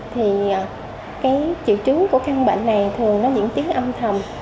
thì cái triệu chứng của căn bệnh này thường là những tiếng âm thầm